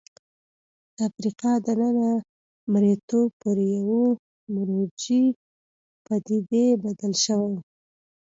د افریقا دننه مریتوب پر یوې مروجې پدیدې بدل شوی و.